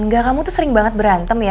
enggak kamu tuh sering banget berantem ya